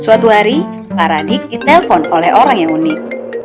suatu hari paradigme di telpon oleh orang yang unik